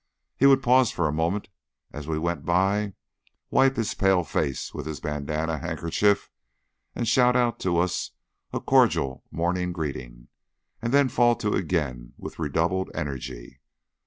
He would pause for a moment as we went by, wipe his pale face with his bandanna handkerchief, and shout out to us a cordial morning greeting, and then fall to again with redoubled energy.